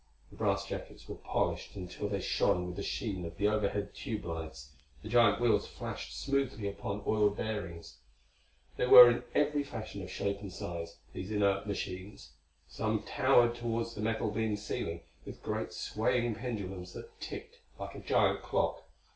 The brass jackets were polished until they shone with the sheen of the overhead tube lights; the giant wheels flashed smoothly upon oiled bearings. They were in every fashion of shape and size, these inert machines. Some towered toward the metal beamed ceiling, with great swaying pendulums that ticked like a giant clock.